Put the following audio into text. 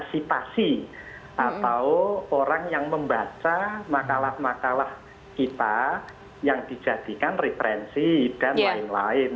sipasi atau orang yang membaca makalah makalah kita yang dijadikan referensi dan lain lain